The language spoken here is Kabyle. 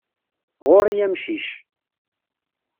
Ɣur-i amcic.